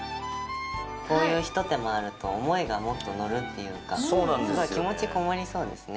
こういうひと手間あると思いがもっと乗るっていうかすごい気持ちこもりそうですね